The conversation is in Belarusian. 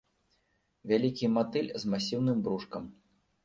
Вялікі матыль з масіўным брушкам.